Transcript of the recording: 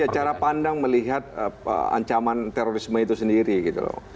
cara pandang melihat ancaman terorisme itu sendiri gitu loh